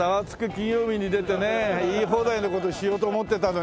金曜日』に出てね言い放題な事しようと思ってたのに。